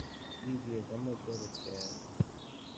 Yidir d amaggad kan.